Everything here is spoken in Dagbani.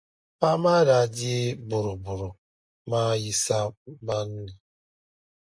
Paɣa maa daa deei boroboro maa yi sambani ni.